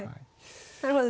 なるほど。